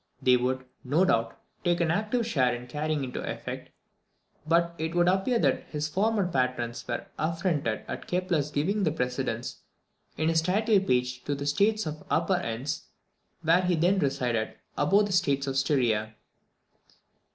They would, no doubt, take an active share in carrying it into effect; but it would appear that his former patrons were affronted at Kepler's giving the precedence in his title page to the States of Upper Ens, where he then resided, above the States of Styria.